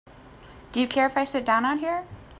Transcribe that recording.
Do you care if I sit down out here?